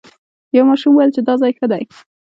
یو ماشوم وویل چې دا ځای ښه دی.